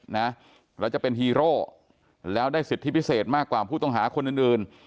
นะแล้วจะเป็นฮีโร่แล้วได้สิทธิพิเศษมากกว่าผู้ต้องหาคนอื่นอื่น